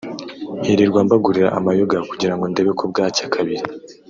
nkirirwa mbagurira amayoga kugirango ndebe ko bwacya kabiri”